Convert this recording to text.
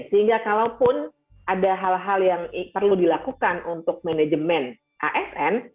sehingga kalaupun ada hal hal yang perlu dilakukan untuk manajemen asn